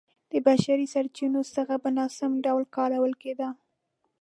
د بشري سرچینو څخه په ناسم ډول کارول کېده